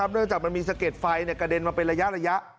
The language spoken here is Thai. เนื่องจากมันมีสะเก็ดไฟกระเด็นมาเป็นระยะ